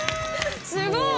すごい！